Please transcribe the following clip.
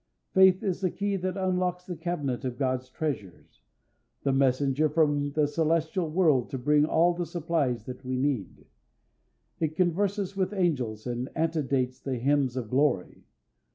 Faith is the key that unlocks the cabinet of God's treasures, the messenger from the celestial world to bring all the supplies that we need. It converses with angels and antedates the hymns of glory.